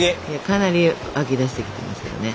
かなり湧き出してきてますけどね。